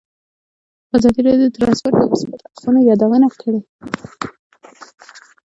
ازادي راډیو د ترانسپورټ د مثبتو اړخونو یادونه کړې.